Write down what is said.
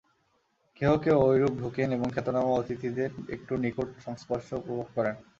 কেহ কেহ ঐরূপ ঢুকেন এবং খ্যাতনামা অতিথিদের একটু নিকট সংস্পর্শ উপভোগ করেন।